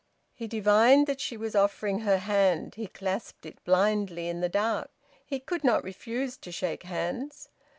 He divined that she was offering her hand. He clasped it blindly in the dark. He could not refuse to shake hands.